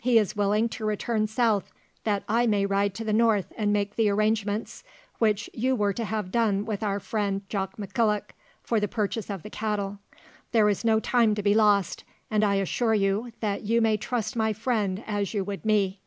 He is willing to return south, that I may ride to the north and make the arrangements which you were to have done with our friend Jock McKillock, for the purchase of the cattle. There is no time to be lost, and I assure you that you may trust my friend as you would me."